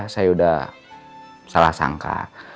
saya udah salah sangka